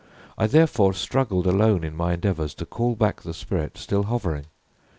I therefore struggled alone in my endeavors to call back the spirit still hovering.